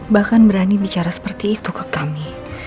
bahkan berani bicara seperti itu ke kami